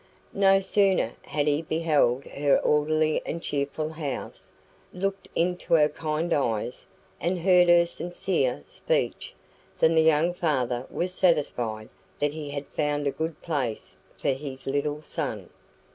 No sooner had he beheld her orderly and cheerful house, looked into her kind eyes, and heard her sincere speech, than the young father was satisfied that he had found a good place for his little son.